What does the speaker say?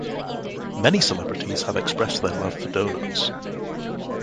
Many celebrities have expressed their love for the donuts.